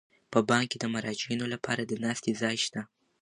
په بانک کې د مراجعینو لپاره د ناستې ځای شته.